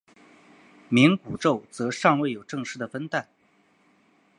冥古宙则尚未有正式的分代。